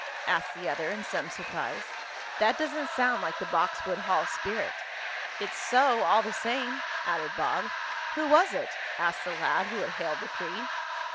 asked the other, in some surprise. "That doesn't sound like the Boxwood Hall spirit." "It's so all the same," added Bob. "Who was it?" asked the lad who had hailed the three.